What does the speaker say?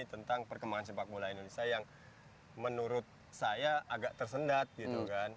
tentang perkembangan sepak bola indonesia yang menurut saya agak tersendat gitu kan